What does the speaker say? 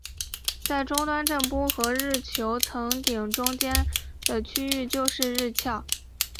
在终端震波和日球层顶中间的区域就是日鞘。